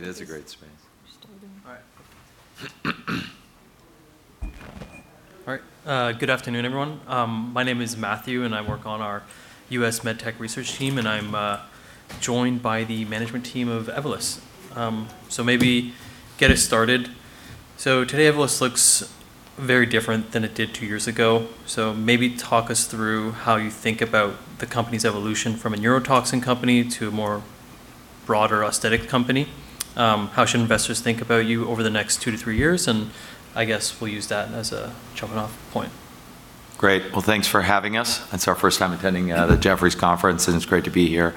It is a great space. All right. All right. Good afternoon, everyone. My name is Matthew, and I work on our U.S. MedTech research team, and I'm joined by the management team of Evolus. Maybe get us started. Today, Evolus looks very different than it did two years ago. Maybe talk us through how you think about the company's evolution from a neurotoxin company to a more broader aesthetic company. How should investors think about you over the next two to three years? I guess we'll use that as a jumping-off point. Great. Well, thanks for having us. It's our first time attending. Yeah the Jefferies conference, and it's great to be here.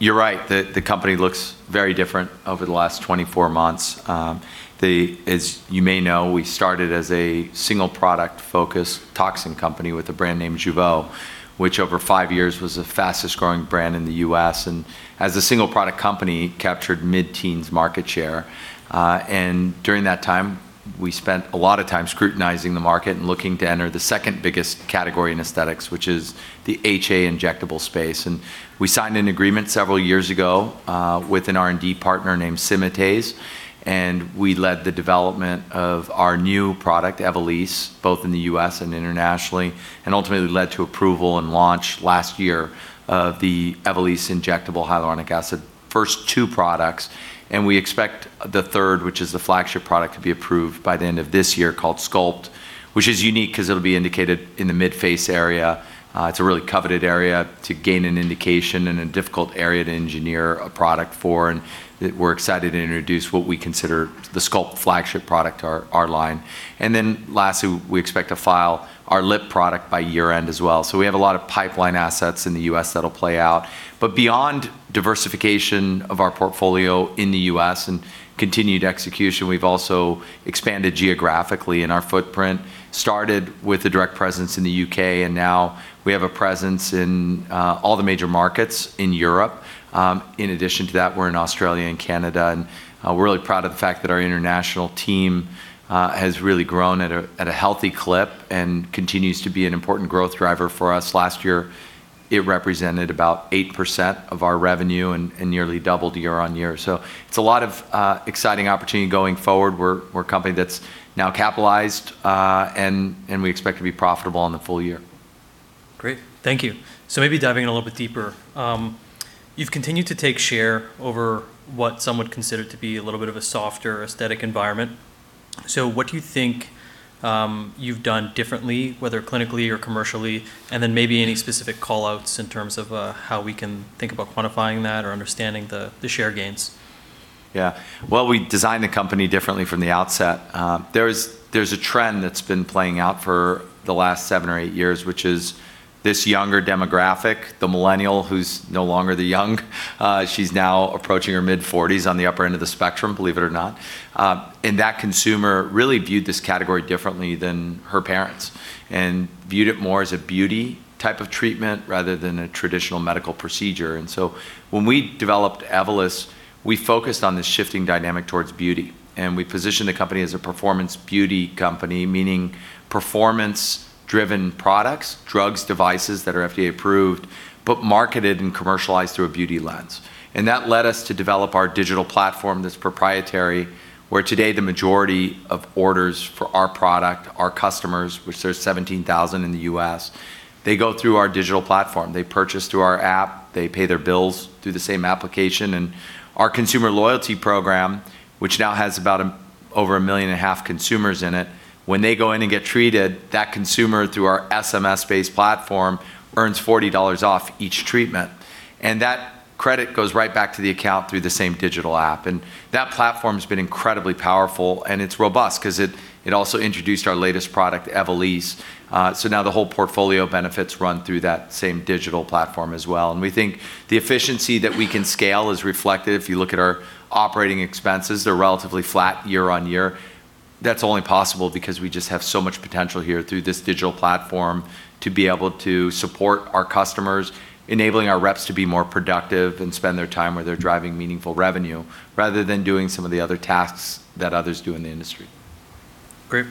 You're right. The company looks very different over the last 24 months. As you may know, we started as a single product-focused toxin company with a brand name, Jeuveau, which over five years was the fastest-growing brand in the U.S. As a single product company, captured mid-teens market share. During that time, we spent a lot of time scrutinizing the market and looking to enter the second-biggest category in aesthetics, which is the HA injectable space. We signed an agreement several years ago, with an R&D partner named SYMATESE, and we led the development of our new product, Evolysse, both in the U.S. and internationally, and ultimately led to approval and launch last year of the Evolysse injectable hyaluronic acid first two products. We expect the third, which is the flagship product, to be approved by the end of this year, called Sculpt, which is unique because it'll be indicated in the mid-face area. It's a really coveted area to gain an indication and a difficult area to engineer a product for, and we're excited to introduce what we consider the Sculpt flagship product, our line. Lastly, we expect to file our lip product by year-end as well. We have a lot of pipeline assets in the U.S. that'll play out. Beyond diversification of our portfolio in the U.S. and continued execution, we've also expanded geographically in our footprint. Started with a direct presence in the U.K., and now we have a presence in all the major markets in Europe. In addition to that, we're in Australia and Canada, and we're really proud of the fact that our international team has really grown at a healthy clip and continues to be an important growth driver for us. Last year, it represented about 8% of our revenue and nearly doubled year-on-year. It's a lot of exciting opportunity going forward. We're a company that's now capitalized, and we expect to be profitable in the full year. Great. Thank you. Maybe diving in a little bit deeper. You've continued to take share over what some would consider to be a little bit of a softer aesthetic environment. What do you think you've done differently, whether clinically or commercially? Maybe any specific call-outs in terms of how we can think about quantifying that or understanding the share gains? Yeah. Well, we designed the company differently from the outset. There's a trend that's been playing out for the last seven or eight years, which is this younger demographic, the millennial, who's no longer the young. She's now approaching her mid-40s, on the upper end of the spectrum, believe it or not. That consumer really viewed this category differently than her parents and viewed it more as a beauty type of treatment rather than a traditional medical procedure. When we developed Evolus, we focused on this shifting dynamic towards beauty, and we positioned the company as a performance beauty company, meaning performance-driven products, drugs, devices that are FDA approved, but marketed and commercialized through a beauty lens. That led us to develop our digital platform that's proprietary, where today the majority of orders for our product, our customers, which there's 17,000 in the U.S., they go through our digital platform. They purchase through our app. They pay their bills through the same application. Our Consumer Loyalty program, which now has about over 1.5 million consumers in it, when they go in and get treated, that consumer, through our SMS-based platform, earns $40 off each treatment. That credit goes right back to the account through the same digital app. That platform's been incredibly powerful, and it's robust because it also introduced our latest product, Evolysse. Now the whole portfolio benefits run through that same digital platform as well. We think the efficiency that we can scale is reflected. If you look at our operating expenses, they're relatively flat year-on-year. That's only possible because we just have so much potential here through this digital platform to be able to support our customers, enabling our reps to be more productive and spend their time where they're driving meaningful revenue rather than doing some of the other tasks that others do in the industry. Great.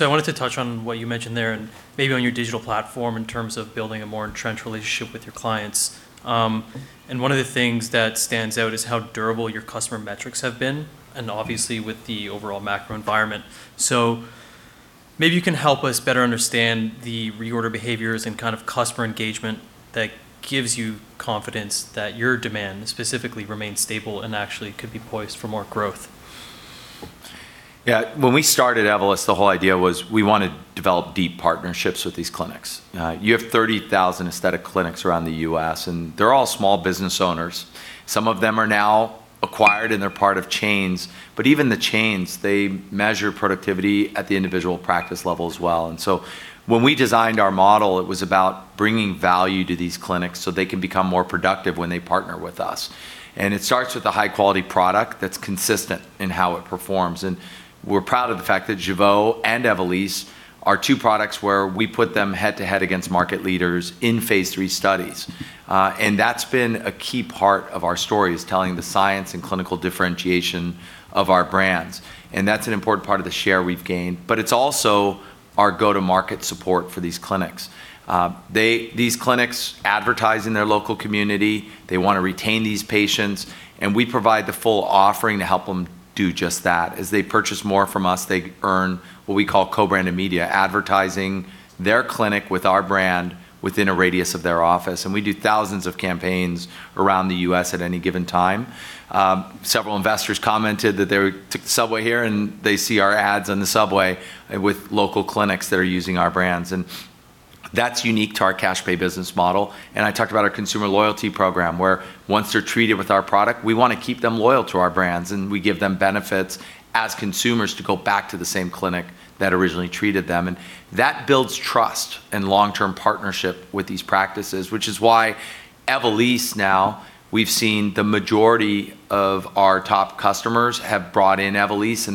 I wanted to touch on what you mentioned there and maybe on your digital platform in terms of building a more entrenched relationship with your clients. And one of the things that stands out is how durable your customer metrics have been, and obviously with the overall macro environment. Maybe you can help us better understand the reorder behaviors and kind of customer engagement that gives you confidence that your demand specifically remains stable and actually could be poised for more growth. Yeah. When we started Evolus, the whole idea was we want to develop deep partnerships with these clinics. You have 30,000 aesthetic clinics around the U.S., and they're all small business owners. Some of them are now acquired, and they're part of chains. Even the chains, they measure productivity at the individual practice level as well. When we designed our model, it was about bringing value to these clinics so they can become more productive when they partner with us. It starts with a high-quality product that's consistent in how it performs. We're proud of the fact that Jeuveau and Evolysse are two products where we put them head-to-head against market leaders in phase III studies. That's been a key part of our story, is telling the science and clinical differentiation of our brands. That's an important part of the share we've gained. It's also our go-to-market support for these clinics. These clinics advertise in their local community. They want to retain these patients, and we provide the full offering to help them do just that. As they purchase more from us, they earn what we call co-branded media, advertising their clinic with our brand within a radius of their office. We do thousands of campaigns around the U.S. at any given time. Several investors commented that they took the subway here, and they see our ads on the subway with local clinics that are using our brands. That's unique to our cash-pay business model. I talked about our consumer loyalty program, where once they're treated with our product, we want to keep them loyal to our brands, and we give them benefits as consumers to go back to the same clinic that originally treated them. That builds trust and long-term partnership with these practices, which is why Evolus now, we've seen the majority of our top customers have brought in Evolus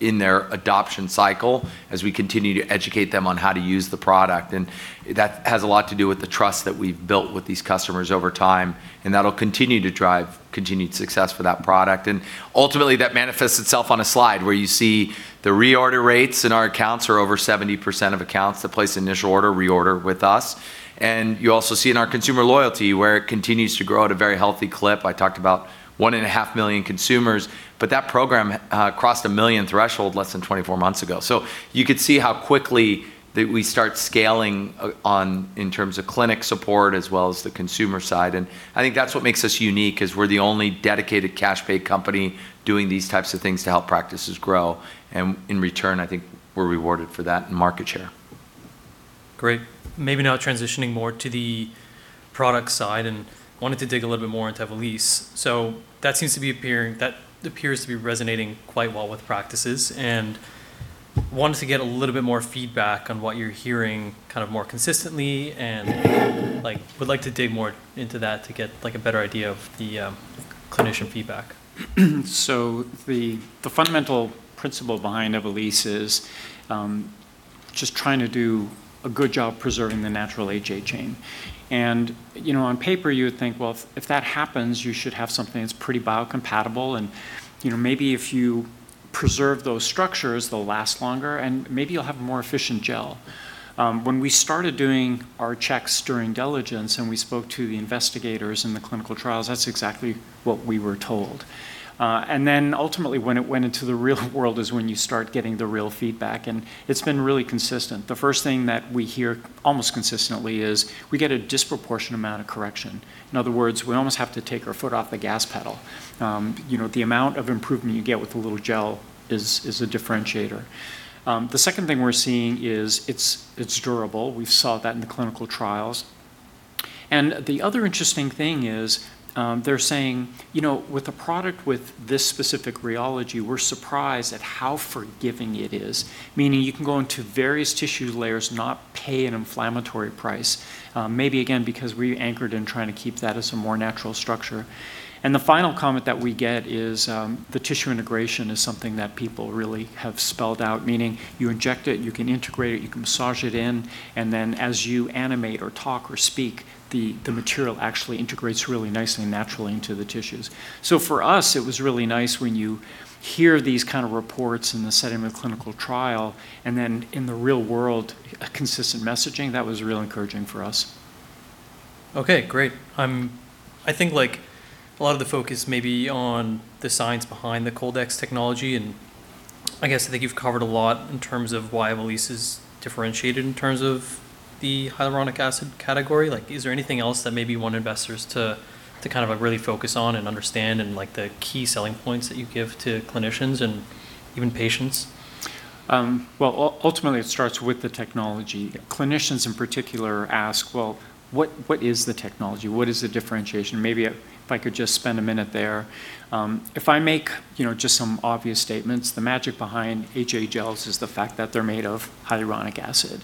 in their adoption cycle, as we continue to educate them on how to use the product. That has a lot to do with the trust that we've built with these customers over time, and that'll continue to drive continued success for that product. Ultimately, that manifests itself on a slide where you see the reorder rates in our accounts are over 70% of accounts that place initial order reorder with us. You also see in our consumer loyalty, where it continues to grow at a very healthy clip. I talked about one and a half million consumers, but that program crossed a 1 million threshold less than 24 months ago. You could see how quickly we start scaling in terms of clinic support as well as the consumer side. I think that's what makes us unique, is we're the only dedicated cash pay company doing these types of things to help practices grow. In return, I think we're rewarded for that in market share. Great. Maybe now transitioning more to the product side and wanted to dig a little bit more into Evolus. That appears to be resonating quite well with practices and wanted to get a little bit more feedback on what you're hearing more consistently and would like to dig more into that to get a better idea of the clinician feedback. The fundamental principle behind Evolus is just trying to do a good job preserving the natural HA chain. On paper, you would think, well, if that happens, you should have something that's pretty biocompatible and maybe if you preserve those structures, they'll last longer and maybe you'll have a more efficient gel. When we started doing our checks during diligence and we spoke to the investigators in the clinical trials, that's exactly what we were told. Ultimately when it went into the real world is when you start getting the real feedback, and it's been really consistent. The first thing that we hear almost consistently is we get a disproportionate amount of correction. In other words, we almost have to take our foot off the gas pedal. The amount of improvement you get with the little gel is a differentiator. The second thing we're seeing is it's durable. We saw that in the clinical trials. The other interesting thing is, they're saying, "With a product with this specific rheology, we're surprised at how forgiving it is." Meaning you can go into various tissue layers, not pay an inflammatory price. Maybe again, because we're anchored in trying to keep that as a more natural structure. The final comment that we get is the tissue integration is something that people really have spelled out. Meaning you inject it, you can integrate it, you can massage it in, and then as you animate or talk or speak, the material actually integrates really nicely and naturally into the tissues. For us, it was really nice when you hear these kind of reports in the setting of a clinical trial, and then in the real world, a consistent messaging. That was real encouraging for us. Okay, great. I think a lot of the focus may be on the science behind the Cold-X Technology. I guess I think you've covered a lot in terms of why Evolus is differentiated in terms of the hyaluronic acid category. Is there anything else that maybe you want investors to really focus on and understand and the key selling points that you give to clinicians and even patients? Ultimately it starts with the technology. Clinicians in particular ask, "What is the technology? What is the differentiation?" Maybe if I could just spend a minute there. If I make just some obvious statements, the magic behind HA gels is the fact that they're made of hyaluronic acid.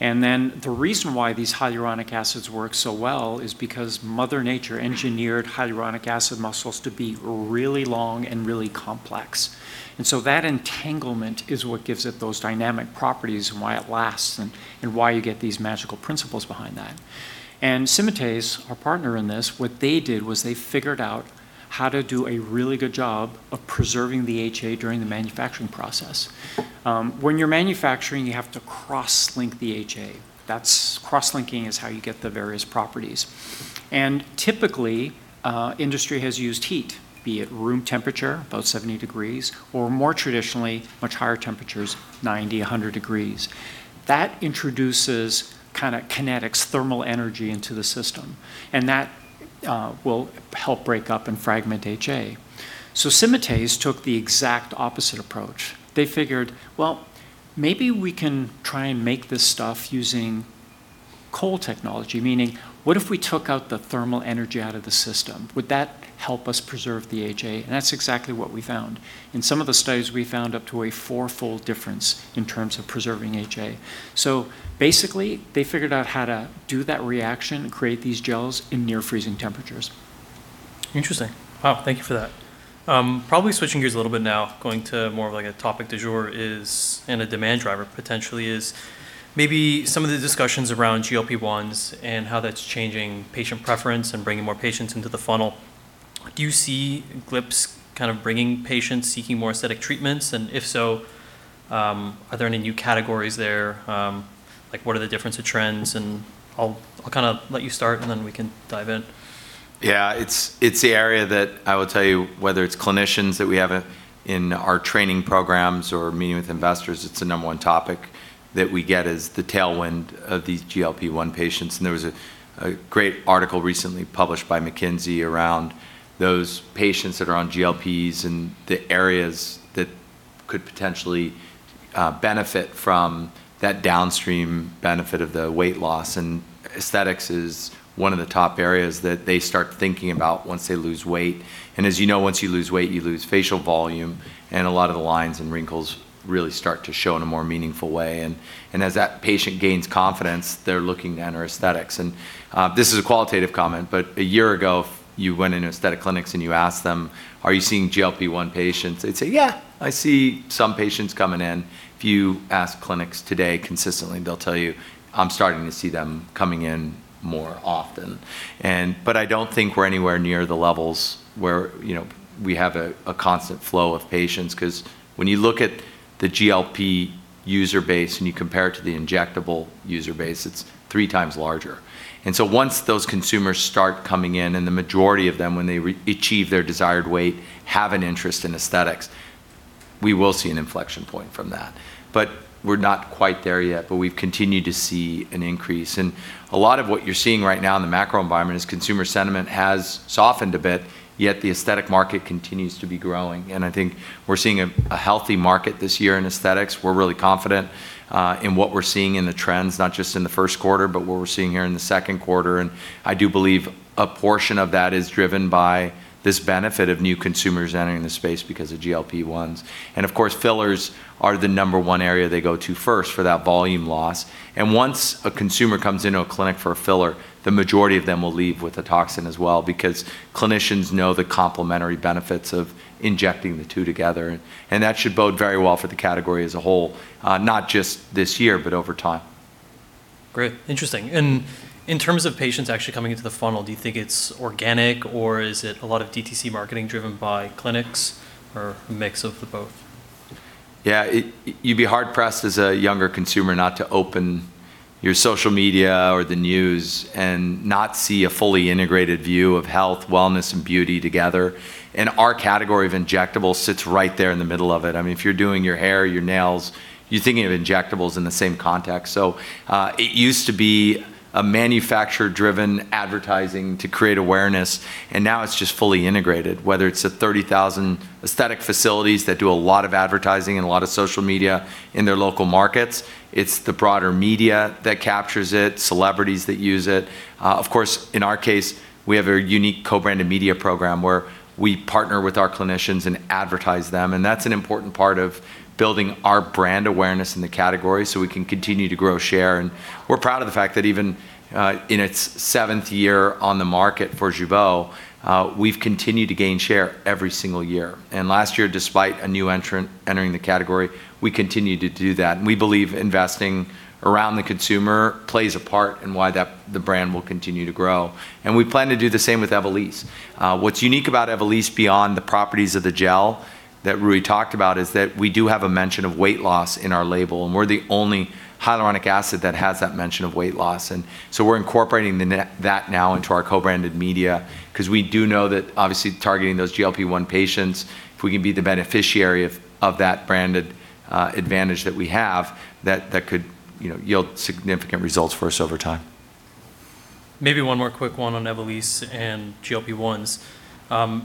The reason why these hyaluronic acids work so well is because Mother Nature engineered hyaluronic acid muscles to be really long and really complex. That entanglement is what gives it those dynamic properties and why it lasts and why you get these magical principles behind that. SYMATESE, our partner in this, what they did was they figured out how to do a really good job of preserving the HA during the manufacturing process. When you're manufacturing, you have to cross-link the HA. Cross-linking is how you get the various properties. Typically, industry has used heat, be it room temperature, about 70 degrees, or more traditionally, much higher temperatures, 90, 100 degrees. That introduces kind of kinetics, thermal energy into the system, and that will help break up and fragment HA. SYMATESE took the exact opposite approach. They figured, well, maybe we can try and make this stuff using cold technology, meaning what if we took out the thermal energy out of the system? Would that help us preserve the HA? That's exactly what we found. In some of the studies, we found up to a four-fold difference in terms of preserving HA. Basically, they figured out how to do that reaction and create these gels in near-freezing temperatures. Interesting. Wow. Thank you for that. Probably switching gears a little bit now, going to more of like a topic du jour and a demand driver potentially is maybe some of the discussions around GLP-1s and how that's changing patient preference and bringing more patients into the funnel. Do you see GLPs kind of bringing patients seeking more aesthetic treatments? If so, are there any new categories there? What are the difference of trends? I'll let you start, and then we can dive in. Yeah, it's the area that I will tell you, whether it's clinicians that we have in our training programs or meeting with investors, it's the number one topic that we get is the tailwind of these GLP-1 patients. There was a great article recently published by McKinsey around those patients that are on GLPs and the areas could potentially benefit from that downstream benefit of the weight loss. Aesthetics is one of the top areas that they start thinking about once they lose weight. As you know, once you lose weight, you lose facial volume, and a lot of the lines and wrinkles really start to show in a more meaningful way. As that patient gains confidence, they're looking at our aesthetics. This is a qualitative comment, but a year ago, you went into aesthetic clinics and you asked them, "Are you seeing GLP-1 patients?" They'd say, "Yeah. I see some patients coming in." If you ask clinics today consistently, they'll tell you, "I'm starting to see them coming in more often." I don't think we're anywhere near the levels where we have a constant flow of patients, because when you look at the GLP user base and you compare it to the injectable user base, it's 3x larger. Once those consumers start coming in, and the majority of them, when they achieve their desired weight, have an interest in aesthetics, we will see an inflection point from that. We're not quite there yet, but we've continued to see an increase. A lot of what you're seeing right now in the macro environment is consumer sentiment has softened a bit, yet the aesthetic market continues to be growing. I think we're seeing a healthy market this year in aesthetics. We're really confident in what we're seeing in the trends, not just in the first quarter, but what we're seeing here in the second quarter. I do believe a portion of that is driven by this benefit of new consumers entering the space because of GLP-1s. Of course, fillers are the number one area they go to first for that volume loss. Once a consumer comes into a clinic for a filler, the majority of them will leave with a toxin as well, because clinicians know the complementary benefits of injecting the two together. That should bode very well for the category as a whole, not just this year, but over time. Great. Interesting. In terms of patients actually coming into the funnel, do you think it's organic, or is it a lot of DTC marketing driven by clinics, or a mix of the both? You'd be hard-pressed as a younger consumer not to open your social media or the news and not see a fully integrated view of health, wellness, and beauty together. Our category of injectables sits right there in the middle of it. If you're doing your hair, your nails, you're thinking of injectables in the same context. It used to be a manufacturer-driven advertising to create awareness, and now it's just fully integrated. Whether it's the 30,000 aesthetic facilities that do a lot of advertising and a lot of social media in their local markets, it's the broader media that captures it, celebrities that use it. Of course, in our case, we have a unique co-branded media program where we partner with our clinicians and advertise them, and that's an important part of building our brand awareness in the category so we can continue to grow share. We're proud of the fact that even in its seventh year on the market for Jeuveau, we've continued to gain share every single year. Last year, despite a new entrant entering the category, we continued to do that. We believe investing around the consumer plays a part in why the brand will continue to grow. We plan to do the same with Evolus. What's unique about Evolus, beyond the properties of the gel that Rui talked about, is that we do have a mention of weight loss in our label, and we're the only hyaluronic acid that has that mention of weight loss. We're incorporating that now into our co-branded media because we do know that obviously targeting those GLP-1 patients, if we can be the beneficiary of that branded advantage that we have, that could yield significant results for us over time. Maybe one more quick one on Evolus and GLP-1s.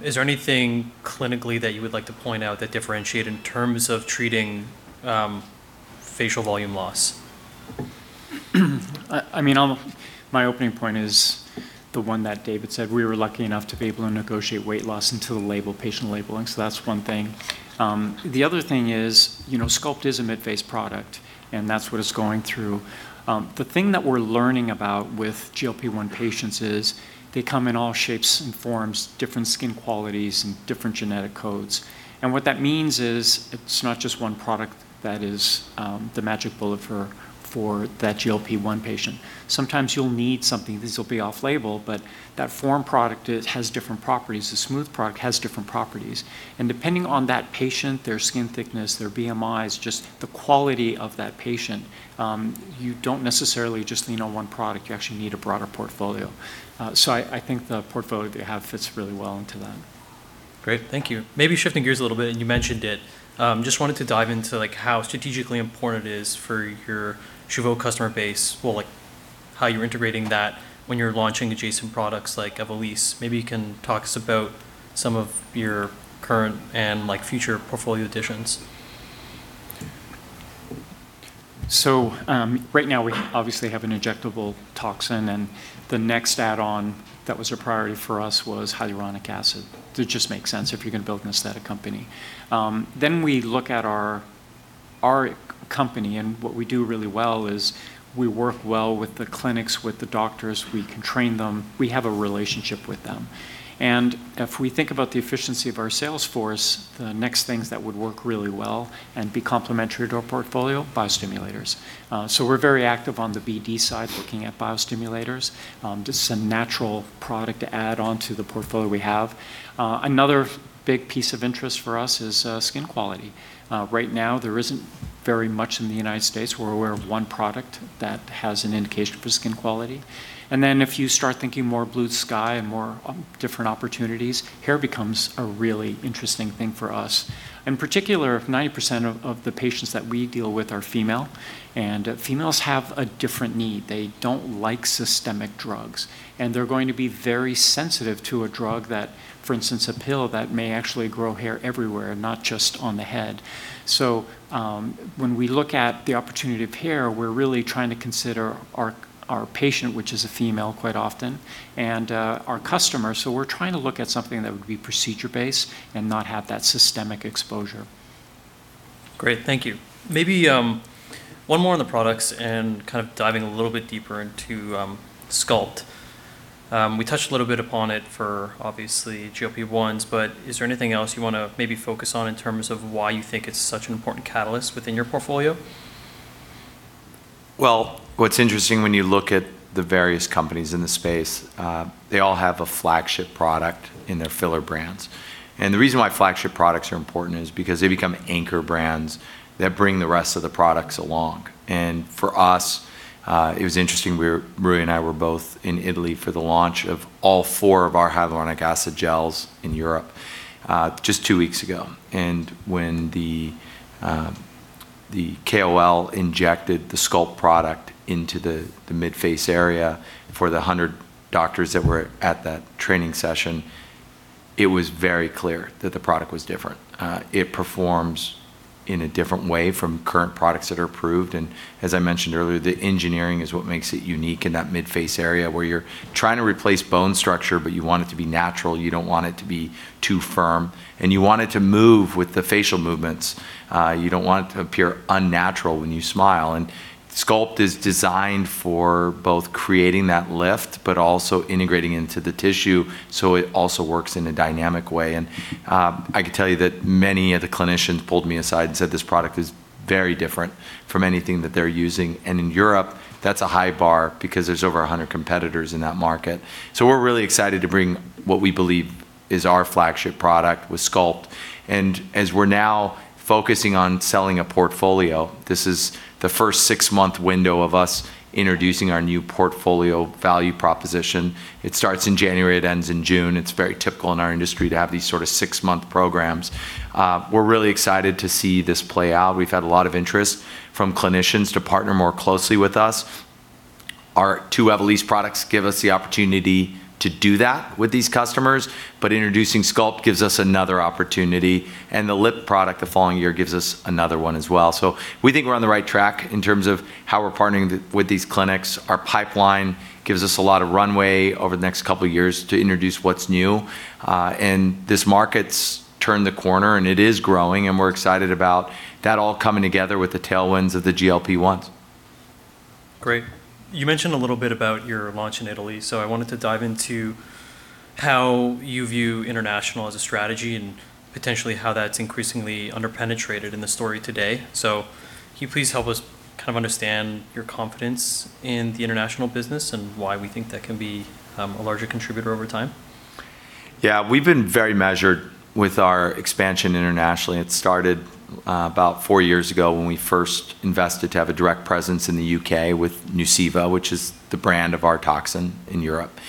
Is there anything clinically that you would like to point out that differentiate in terms of treating facial volume loss? My opening point is the one that David said. We were lucky enough to be able to negotiate weight loss into the patient labeling, that's one thing. The other thing is Sculpt is a midface product, that's what it's going through. The thing that we're learning about with GLP-1 patients is they come in all shapes and forms, different skin qualities, and different genetic codes. What that means is it's not just one product that is the magic bullet for that GLP-1 patient. Sometimes you'll need something. These will be off-label, that Form product has different properties. The Smooth product has different properties. Depending on that patient, their skin thickness, their BMIs, just the quality of that patient, you don't necessarily just lean on one product. You actually need a broader portfolio. I think the portfolio that you have fits really well into that. Great. Thank you. Maybe shifting gears a little bit, and you mentioned it. Just wanted to dive into how strategically important it is for your Jeuveau customer base. Well, how you're integrating that when you're launching adjacent products like Evolus. Maybe you can talk to us about some of your current and future portfolio additions. Right now, we obviously have an injectable toxin, and the next add-on that was a priority for us was hyaluronic acid. That just makes sense if you're going to build an aesthetic company. We look at our company, and what we do really well is we work well with the clinics, with the doctors. We can train them. We have a relationship with them. If we think about the efficiency of our sales force, the next things that would work really well and be complementary to our portfolio, biostimulators. We're very active on the BD side, looking at biostimulators. Just some natural product to add onto the portfolio we have. Another big piece of interest for us is skin quality. Right now, there isn't very much in the United States We're aware of one product that has an indication for skin quality. If you start thinking more blue sky and more different opportunities, hair becomes a really interesting thing for us. In particular, 90% of the patients that we deal with are female. Females have a different need. They don't like systemic drugs, and they're going to be very sensitive to a drug. For instance, a pill that may actually grow hair everywhere, not just on the head. When we look at the opportunity of hair, we're really trying to consider our patient, which is a female quite often, and our customers. We're trying to look at something that would be procedure-based and not have that systemic exposure. Great. Thank you. Maybe one more on the products and kind of diving a little bit deeper into Sculpt. We touched a little bit upon it for obviously GLP-1s, but is there anything else you want to maybe focus on in terms of why you think it's such an important catalyst within your portfolio? Well, what's interesting when you look at the various companies in the space, they all have a flagship product in their filler brands. The reason why flagship products are important is because they become anchor brands that bring the rest of the products along. For us, it was interesting, Rui and I were both in Italy for the launch of all four of our hyaluronic acid gels in Europe, just two weeks ago. When the KOL injected the Sculpt product into the midface area for the 100 doctors that were at that training session, it was very clear that the product was different. It performs in a different way from current products that are approved, and as I mentioned earlier, the engineering is what makes it unique in that midface area where you're trying to replace bone structure, but you want it to be natural. You don't want it to be too firm, and you want it to move with the facial movements. You don't want it to appear unnatural when you smile. Sculpt is designed for both creating that lift, but also integrating into the tissue, so it also works in a dynamic way. I can tell you that many of the clinicians pulled me aside and said this product is very different from anything that they're using. In Europe, that's a high bar because there's over 100 competitors in that market. We're really excited to bring what we believe is our flagship product with Sculpt. As we're now focusing on selling a portfolio, this is the first six-month window of us introducing our new portfolio value proposition. It starts in January. It ends in June. It's very typical in our industry to have these sort of six-month programs. We're really excited to see this play out. We've had a lot of interest from clinicians to partner more closely with us. Our two Evolus products give us the opportunity to do that with these customers, but introducing Sculpt gives us another opportunity, and the lip product the following year gives us another one as well. We think we're on the right track in terms of how we're partnering with these clinics. Our pipeline gives us a lot of runway over the next couple of years to introduce what's new. This market's turned the corner, and it is growing, and we're excited about that all coming together with the tailwinds of the GLP-1s. Great. You mentioned a little bit about your launch in Italy, I wanted to dive into how you view international as a strategy and potentially how that's increasingly under-penetrated in the story today. Can you please help us kind of understand your confidence in the international business and why we think that can be a larger contributor over time? Yeah. We've been very measured with our expansion internationally. It started about four years ago when we first invested to have a direct presence in the U.K. with Nuceiva, which is the brand of our toxin in Europe.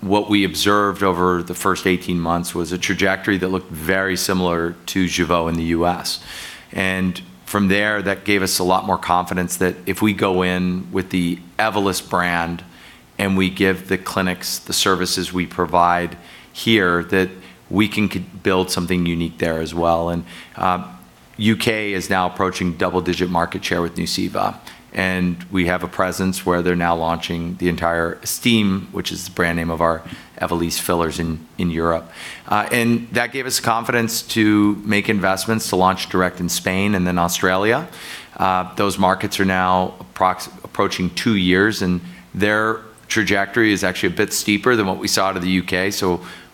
What we observed over the first 18 months was a trajectory that looked very similar to Jeuveau in the U.S. From there, that gave us a lot more confidence that if we go in with the Evolus brand and we give the clinics the services we provide here, that we can build something unique there as well. U.K. is now approaching double-digit market share with Nuceiva. We have a presence where they're now launching the entire Estyme, which is the brand name of our Evolus fillers in Europe. That gave us confidence to make investments to launch direct in Spain and then Australia. Those markets are now approaching two years, their trajectory is actually a bit steeper than what we saw out of the U.K.,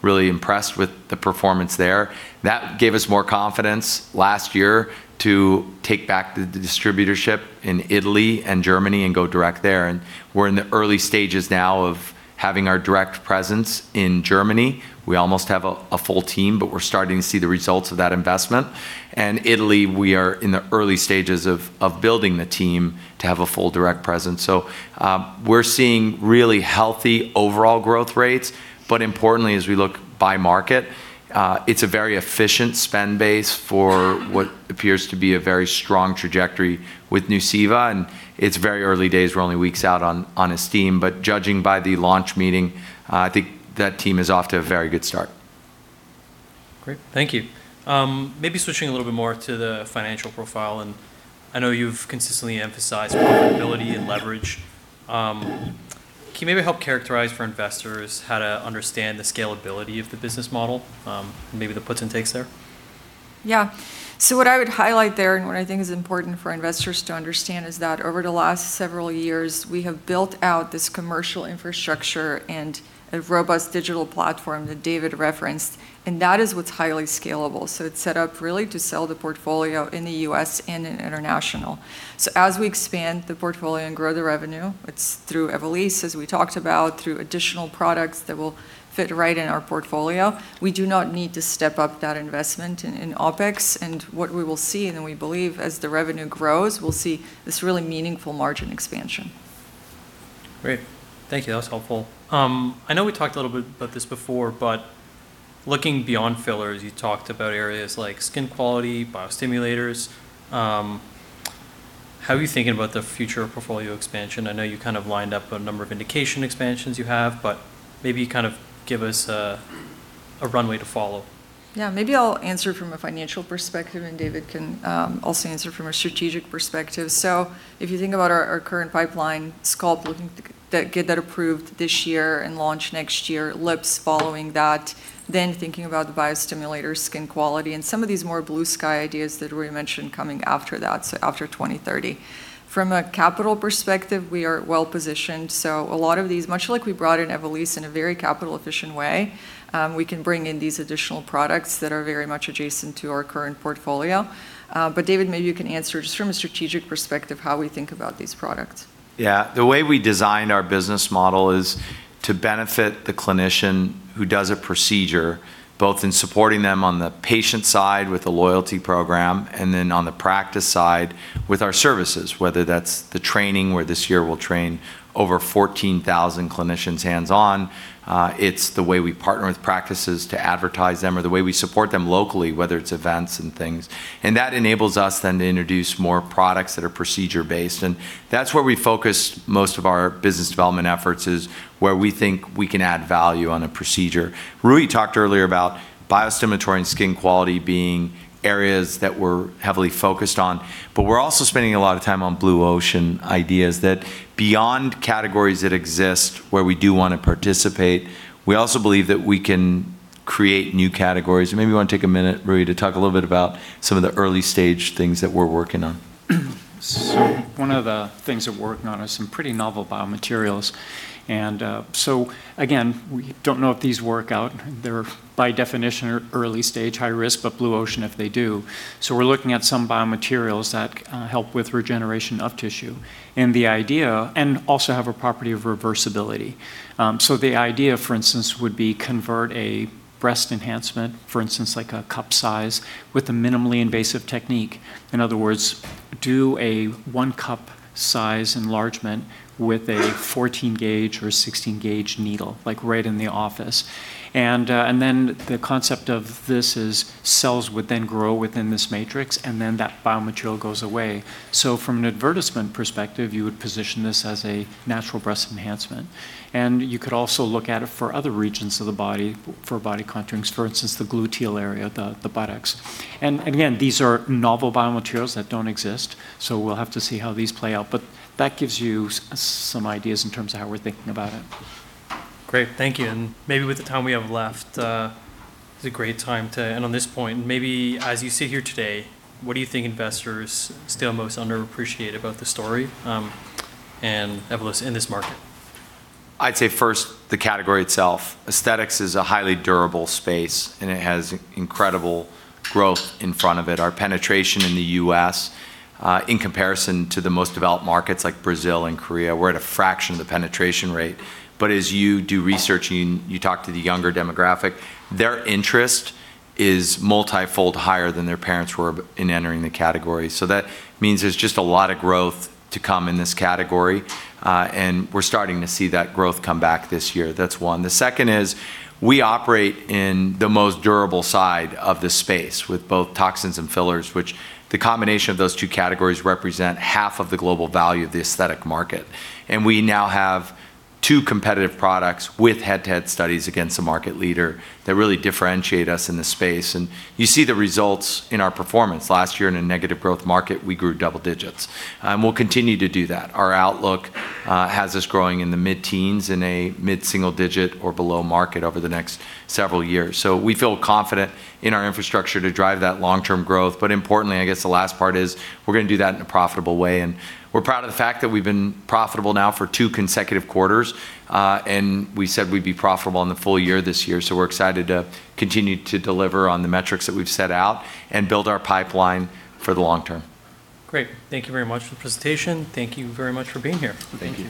really impressed with the performance there. That gave us more confidence last year to take back the distributorship in Italy and Germany and go direct there. We're in the early stages now of having our direct presence in Germany. We almost have a full team, we're starting to see the results of that investment. Italy, we are in the early stages of building the team to have a full direct presence. We're seeing really healthy overall growth rates, but importantly, as we look by market, it's a very efficient spend base for what appears to be a very strong trajectory with Nuceiva. It's very early days. We're only weeks out on Estyme, but judging by the launch meeting, I think that team is off to a very good start. Great. Thank you. Maybe switching a little bit more to the financial profile, I know you've consistently emphasized profitability and leverage. Can you maybe help characterize for investors how to understand the scalability of the business model? Maybe the puts and takes there. Yeah. What I would highlight there, and what I think is important for investors to understand, is that over the last several years, we have built out this commercial infrastructure and a robust digital platform that David referenced, that is what's highly scalable. It's set up really to sell the portfolio in the U.S. and in international. As we expand the portfolio and grow the revenue, it's through Evolus, as we talked about, through additional products that will fit right in our portfolio. We do not need to step up that investment in OpEx. What we will see, and we believe as the revenue grows, we'll see this really meaningful margin expansion. Great. Thank you. That was helpful. I know we talked a little bit about this before. Looking beyond fillers, you talked about areas like skin quality, biostimulators. How are you thinking about the future of portfolio expansion? I know you lined up a number of indication expansions you have. Maybe give us a runway to follow. Yeah. Maybe I'll answer from a financial perspective, and David can also answer from a strategic perspective. If you think about our current pipeline, Sculpt, looking to get that approved this year and launch next year, lips following that, then thinking about the biostimulator skin quality and some of these more blue sky ideas that Rui mentioned coming after that, so after 2030. From a capital perspective, we are well-positioned. A lot of these, much like we brought in Evolus in a very capital-efficient way, we can bring in these additional products that are very much adjacent to our current portfolio. David, maybe you can answer just from a strategic perspective, how we think about these products. Yeah. The way we designed our business model is to benefit the clinician who does a procedure, both in supporting them on the patient side with the loyalty program and then on the practice side with our services, whether that's the training, where this year we'll train over 14,000 clinicians hands-on. It's the way we partner with practices to advertise them or the way we support them locally, whether it's events and things. That enables us then to introduce more products that are procedure-based. That's where we focus most of our business development efforts, is where we think we can add value on a procedure. Rui talked earlier about biostimulators and skin quality being areas that we're heavily focused on. We're also spending a lot of time on blue ocean ideas that beyond categories that exist where we do want to participate, we also believe that we can create new categories. Maybe you want to take a minute, Rui, to talk a little bit about some of the early-stage things that we're working on. One of the things we're working on is some pretty novel biomaterials. Again, we don't know if these work out. They're by definition early stage, high risk, but blue ocean if they do. We're looking at some biomaterials that help with regeneration of tissue, and also have a property of reversibility. The idea, for instance, would be convert a breast enhancement, for instance, like a cup size, with a minimally invasive technique. In other words, do a one cup size enlargement with a 14-gauge or 16-gauge needle, right in the office. The concept of this is cells would then grow within this matrix, and then that biomaterial goes away. From an advertisement perspective, you would position this as a natural breast enhancement. You could also look at it for other regions of the body, for body contouring, for instance, the gluteal area, the buttocks. Again, these are novel biomaterials that don't exist, so we'll have to see how these play out. That gives you some ideas in terms of how we're thinking about it. Great. Thank you. Maybe with the time we have left, it's a great time to end on this point. Maybe as you sit here today, what do you think investors still most underappreciate about the story and Evolus in this market? I'd say first, the category itself. Aesthetics is a highly durable space. It has incredible growth in front of it. Our penetration in the U.S., in comparison to the most developed markets like Brazil and Korea, we're at a fraction of the penetration rate. As you do research and you talk to the younger demographic, their interest is multifold higher than their parents were in entering the category. That means there's just a lot of growth to come in this category. We're starting to see that growth come back this year. That's one. The second is we operate in the most durable side of this space with both toxins and fillers, which the combination of those two categories represent half of the global value of the aesthetic market. We now have two competitive products with head-to-head studies against a market leader that really differentiate us in this space. You see the results in our performance. Last year in a negative growth market, we grew double-digits. We'll continue to do that. Our outlook has us growing in the mid-teens in a mid-single-digit or below market over the next several years. We feel confident in our infrastructure to drive that long-term growth. Importantly, I guess the last part is we're going to do that in a profitable way. We're proud of the fact that we've been profitable now for two consecutive quarters. We said we'd be profitable in the full year this year. We're excited to continue to deliver on the metrics that we've set out and build our pipeline for the long term. Great. Thank you very much for the presentation. Thank you very much for being here. Thank you.